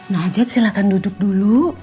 nah ajat silakan duduk dulu